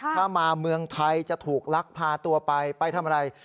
ถ้ามาเมืองไทยจะถูกลักพาตัวไปไปทำอะไร